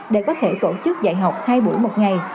để có thể tổ chức dạy học hai buổi một ngày